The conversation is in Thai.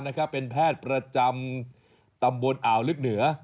นะครับเป็นแพทย์ประจำตำบลอ่าวลึกเหนือ